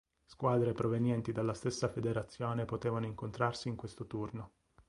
Squadre provenienti dalla stessa federazione potevano incontrarsi in questo turno.